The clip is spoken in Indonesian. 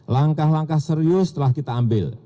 langkah langkah serius telah kita ambil